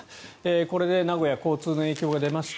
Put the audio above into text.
これで名古屋交通の影響が出ました。